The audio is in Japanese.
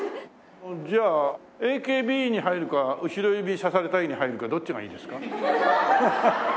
じゃあＡＫＢに入るかうしろゆびさされ隊に入るかどっちがいいんですか？